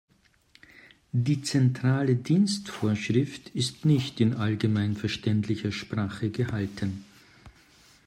Die Zentrale Dienstvorschrift ist nicht in allgemeinverständlicher Sprache gehalten.